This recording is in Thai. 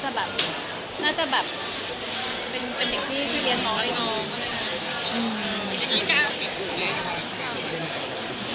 แต่ว่าน่าจะแบบเป็นเด็กที่มีอีก